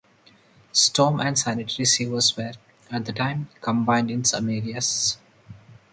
Storm and sanitary sewers were, at the time, combined in some areas.